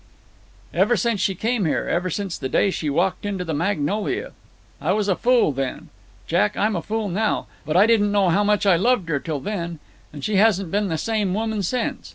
"Ever since she came here; ever since the day she walked into the Magnolia. I was a fool then; Jack, I'm a fool now; but I didn't know how much I loved her till then. And she hasn't been the same woman since.